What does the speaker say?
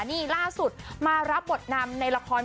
นี่ล่าสุดมารับบทนำในละคร